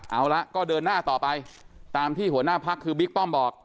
เอาละก็เดินหน้าต่อไปตามที่หัวหน้าพักคือบิ๊กป้อมบอก